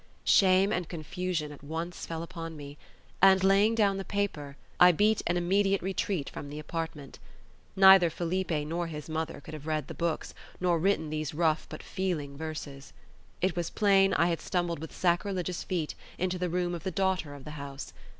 Shame and confusion at once fell on me; and, laying down the paper, I beat an immediate retreat from the apartment. Neither Felipe nor his mother could have read the books nor written these rough but feeling verses. It was plain I had stumbled with sacrilegious feet into the room of the daughter of the house.